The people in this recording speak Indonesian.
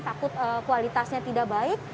takut kualitasnya tidak baik